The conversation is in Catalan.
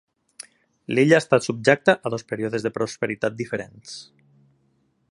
L'illa ha estat subjecta a dos períodes de prosperitat diferents.